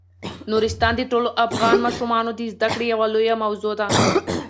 نورستان د ټولو افغان ماشومانو د زده کړې یوه لویه موضوع ده.